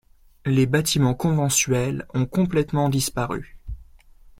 Les bâtiments conventuels ont complètement disparu.